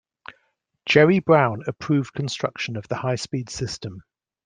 Jerry Brown approved construction of the high-speed system.